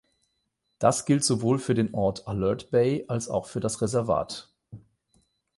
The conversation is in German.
Das gilt sowohl für den Ort Alert Bay als auch für das Reservat.